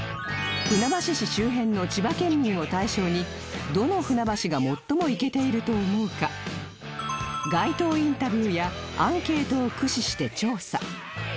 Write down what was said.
船橋市周辺の千葉県民を対象にどの船橋が最もイケていると思うか街頭インタビューやアンケートを駆使して調査